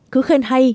cứ khen hay